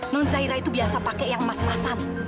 nun zahira itu biasa pake yang emas emasan